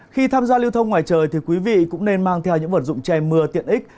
khi tham gia lưu thông ngoài trời thì quý vị cũng nên mang theo những vật dụng che mưa tiện ích